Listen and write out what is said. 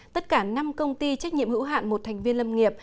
tất cả năm công ty trách nhiệm hữu hạn một thành viên lâm nghiệp